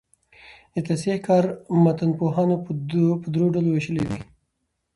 د تصحیح کار متنپوهانو په درو ډلو ویشلی دﺉ.